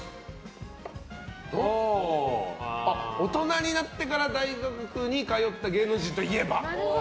大人になってから大学に通った芸能人といえば？